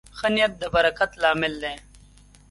ښه نیت د برکت لامل دی.